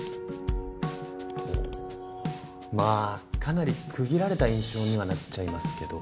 まあかなり区切られた印象にはなっちゃいますけど。